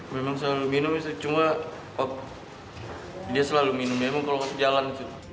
memang selalu minum istri cuma dia selalu minum memang kalau ke jalan